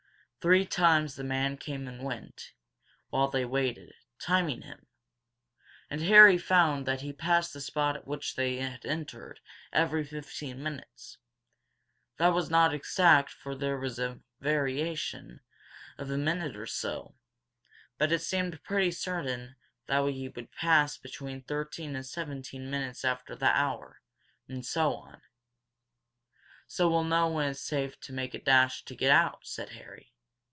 Three times the man came and went, while they waited, timing him. And Harry found that he passed the spot at which they had entered every fifteen minutes. That was not exact for there was a variation of a minute or so, but it seemed pretty certain that he would pass between thirteen and seventeen minutes after the hour, and so on. "So we'll know when it's safe to make a dash to get out," said Harry.